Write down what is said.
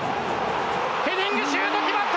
ヘディングシュート決まった！